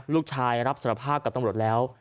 ลูกชายรับสารภาพกับตำรวจแล้ว